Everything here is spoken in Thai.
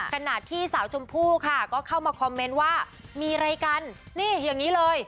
ขณะที่สาวชมพู่ค่ะก็เข้ามาคอมเมนต์ว่ามีอะไรกันนี่อย่างนี้เลย